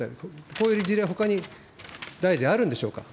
こういう事例、ほかに大臣、あるんでしょうか。